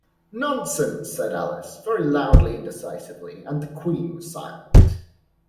‘Nonsense!’ said Alice, very loudly and decidedly, and the Queen was silent.